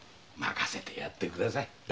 任せてやってください。